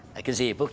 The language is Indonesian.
lagi sibuk dad